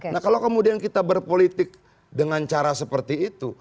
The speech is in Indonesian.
nah kalau kemudian kita berpolitik dengan cara seperti itu